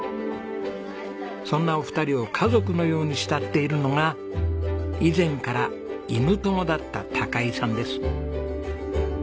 そんなお二人を家族のように慕っているのが以前から犬友だった高井さんです。